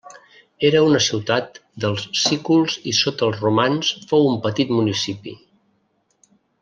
Era una ciutat dels sículs i sota els romans fou un petit municipi.